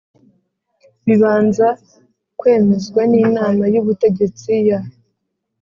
Bibanza kwemezwa n inama y ubutegetsi ya